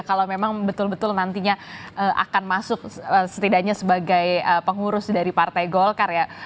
kalau memang betul betul nantinya akan masuk setidaknya sebagai pengurus dari partai golkar ya